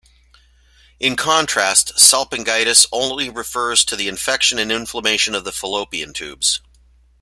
In contrast, salpingitis only refers to infection and inflammation in the fallopian tubes.